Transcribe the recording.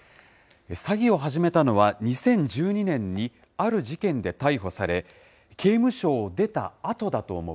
詐欺を始めたのは２０１２年にある事件で逮捕され、刑務所を出たあとだと思う。